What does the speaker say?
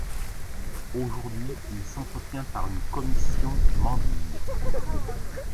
Aujourd'hui, il s'entretient par une commission Mandir.